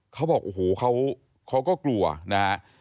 เขาบอกโอ้โหเขาก็กลัวนะฮะ